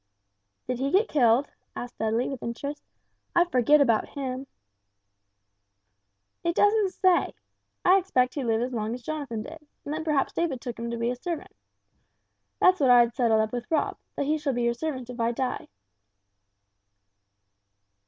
"Did he get killed?" asked Dudley, with interest; "I forget about him." "It doesn't say I expect he lived as long as Jonathan did, and then perhaps David took him to be his servant. That's what I've settled with Rob, that he shall be your servant if I die."